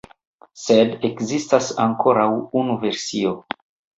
Sed ekzistas ankoraŭ unu versio.